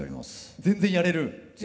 全然やれる。